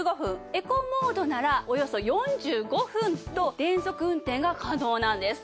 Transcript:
ＥＣＯモードならおよそ４５分と連続運転が可能なんです。